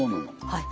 はい。